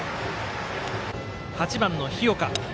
８番の日岡。